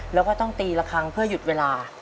แล้วก็ต้องตีละครั้งเพื่อหยุดเวลา